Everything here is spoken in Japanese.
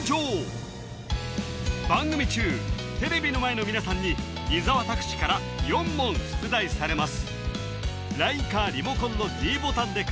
番組中テレビの前の皆さんに伊沢拓司から４問出題されます